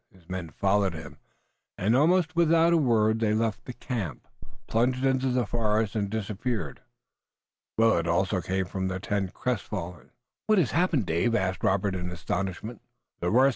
His men followed him, and, almost without a word, they left the camp, plunged into the forest and disappeared. Willet also came from the tent, crestfallen. "What has happened, Dave?" asked Robert in astonishment. "The worst.